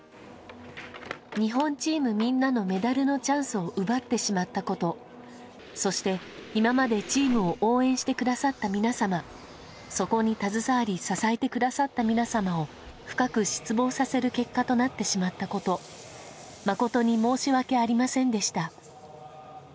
日本チームみんなのメダルのチャンスを奪ってしまったこと、そして、今までチームを応援してくださった皆様、そこに携わり支えてくださった皆様を深く失望させる結果となってしまったこと、誠に申し訳ありませんでした。